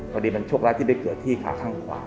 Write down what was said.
พอดีมันโชคร้ายที่ได้เกิดที่ขาข้างขวา